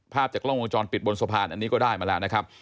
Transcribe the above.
ภาพจากกล้องวงจรปิดบนสะพานอันนี้ก็ได้มาแล้วนะครับ